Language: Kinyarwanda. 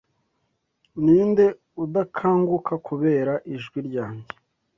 Ninde udakanguka kubera ijwi ryanjye